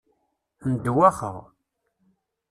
Ndewwaxeɣ.